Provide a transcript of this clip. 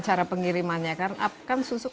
supaya lebih simpan udah jangan breasts tampik dua